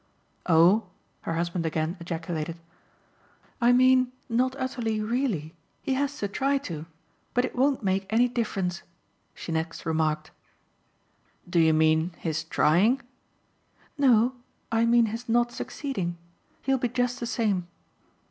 "Oh!" her husband again ejaculated. "I mean not utterly REALLY. He has to try to. But it won't make any difference," she next remarked. "Do you mean his trying?" "No, I mean his not succeeding. He'll be just the same."